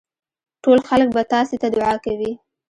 ټول خلک به تاسي ته دعا کوي.